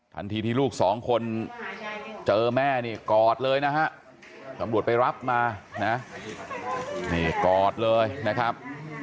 ทันทีที่ลูกสองคนเจอแม่นี่กอดเลยนะฮะตำรวจไปรับมานะนี่กอดเลยนะครับ